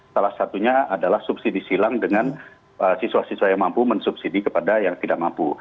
salah satunya adalah subsidi silang dengan siswa siswa yang mampu mensubsidi kepada yang tidak mampu